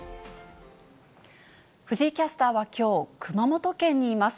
藤井キャスターはきょう、熊本県にいます。